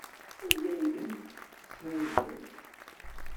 Anda ay ten-ssenzent?